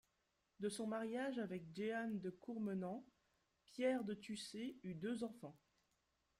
De son mariage avec Jehanne de Courmenant, Pierre de Tussé eut deux enfants.